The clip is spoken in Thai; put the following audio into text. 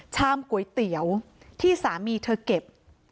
ชามก๋วยเตี๋ยวที่สามีเธอเก็บ